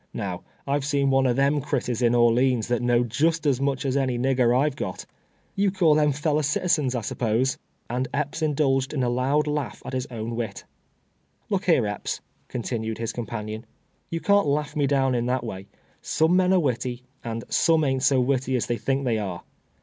Kow, I've seen <f;ne of them critters in Orleans that knowed just as nuch as any nigger I've got. You'd call them feller citizens, I s'pose ?"— and Epps indulged in a loud laugh at his own wit. " Look here, Epps," continued his companion ;" you can't laugh me down in that way. Some men are •witty, and some ain't so witty as they think they are.